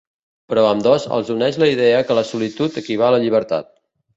Però a ambdós els uneix la idea que la solitud equival a llibertat.